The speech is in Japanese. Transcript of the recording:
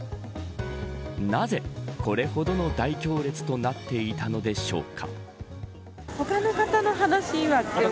なぜこれほどの大行列になっていたのでしょうか。